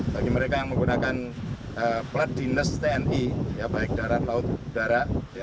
bagi mereka yang menggunakan plat dinas tni baik darat laut udara